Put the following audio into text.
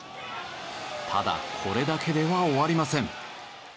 ただこれだけでは終わりません。